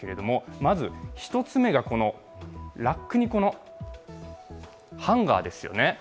まず、１つめがこのラックにハンガーですよね。